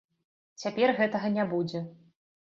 Цяпер гэтага не будзе.